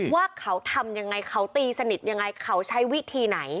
ว่าเขาทำยังไงเขาตีสนิทยังไงเขาใช้วิธีไหน